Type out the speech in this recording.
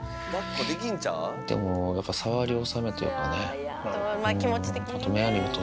でもやっぱり、触り納めというかね。